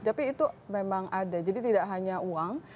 jadi tidak hanya uang